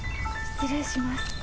失礼します。